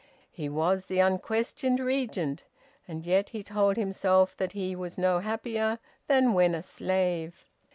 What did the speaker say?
He was the unquestioned regent, and yet he told himself that he was no happier than when a slave.